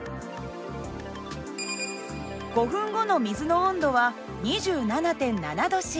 ５分後の水の温度は２７．７℃。